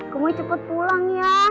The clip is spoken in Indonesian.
gemoy cepet pulang ya